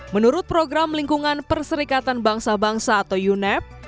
menurut program lingkungan perserikatan bangsa bangsa atau unep